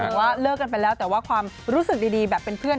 ว่าเลิกกันไปแล้วแต่ว่าความรู้สึกดีแบบเป็นเพื่อน